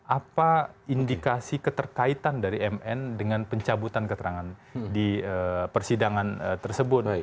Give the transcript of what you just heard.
apa indikasi keterkaitan dari mn dengan pencabutan keterangan di persidangan tersebut